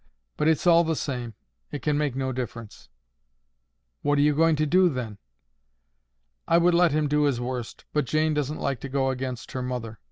But it's all the same. It can make no difference." "What are you going to do, then?" "I would let him do his worst. But Jane doesn't like to go against her mother.